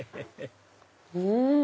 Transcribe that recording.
うん！